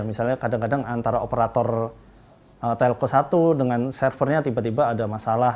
misalnya kadang kadang antara operator telko satu dengan servernya tiba tiba ada masalah